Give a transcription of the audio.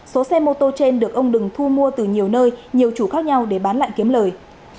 số xe mô tô trên được ông đừng thu mua từ nhiều nơi nhiều chủ khác nhau để bán lại kiếm lời